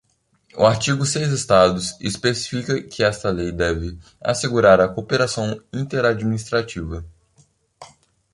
O artigo seis estados especifica que esta lei deve assegurar a cooperação inter-administrativa.